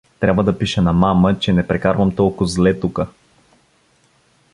„Трябва да пиша на мама, че не прекарвам толкоз зле тука.